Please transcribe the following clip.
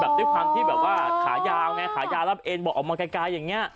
ด้วยความที่แบบว่าขายาวไงขายาวรับเอ็นบอกออกมาไกลอย่างนี้